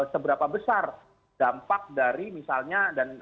seberapa besar dampak dari misalnya dan